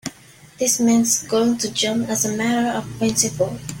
This man's going to jump as a matter of principle.